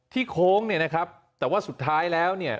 ที่นี้ที่โค้งแต่สุดท้ายแล้ว